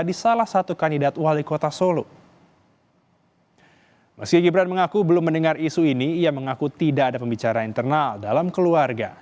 dalam isu ini ia mengaku tidak ada pembicaraan internal dalam keluarga